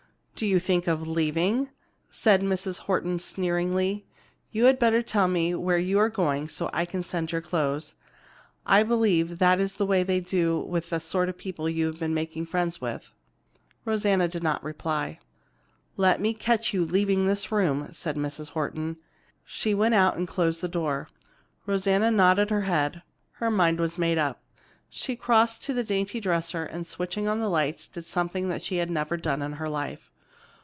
"Do you think of leaving?" said Mrs. Horton sneeringly. "You had better tell me where you are going so I can send your clothes. I believe that is the way they do with the sort of people you have been making friends with." Rosanna did not reply: "Let me catch you leaving this room!" said Mrs. Horton. She went out and closed the door. Rosanna nodded her head. Her mind was made up. She crossed to the dainty dresser, and switching on the lights did something she had never done in her life.